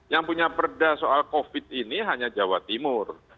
yang punya perda soal covid ini hanya jawa timur